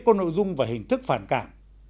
có nội dung và hình thức phản cảm